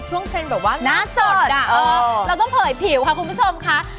ใช่น่าสด